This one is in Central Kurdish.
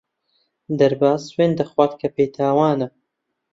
دەرباز سوێند دەخوات کە بێتاوانە.